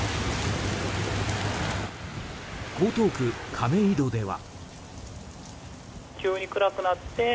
江東区亀戸では。